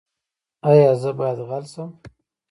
ایا زه باید غل شم؟